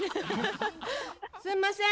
すんません。